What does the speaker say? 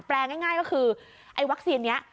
แปลง่ายก็คือไอ้วัคซีนนี้